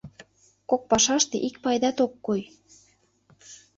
Кок пашаште ик пайдат ок кой.